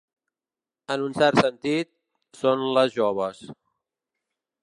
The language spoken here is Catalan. En un cert sentit, són les joves.